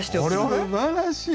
すばらしい。